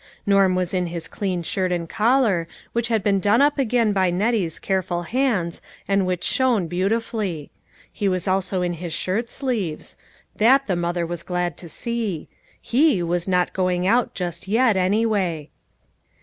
Norm was in his clean shirt and collar, which had been done up again by Nettie's careful hands and which shone beauti fully. He was also in his shirt sleeves ; that the 35* 352 LITTLE FISHERS: AND THEIR NETS. mother was glad to see ; he was not going out just yet, anyway.